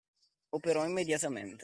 Operò immediatamente.